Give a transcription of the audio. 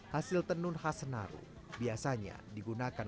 hasil tenun khas senaru biasanya digunakan